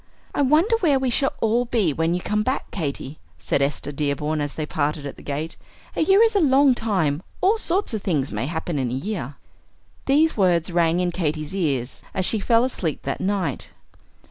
"I wonder where we shall all be when you come back, Katy," said Esther Dearborn as they parted at the gate. "A year is a long time; all sorts of things may happen in a year." These words rang in Katy's ears as she fell asleep that night.